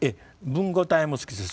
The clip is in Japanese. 文語体も好きです。